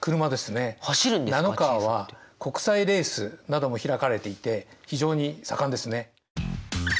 ナノカーは国際レースなども開かれていて非常に盛んですね。